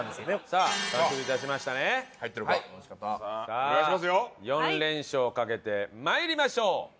さあ４連勝をかけて参りましょう！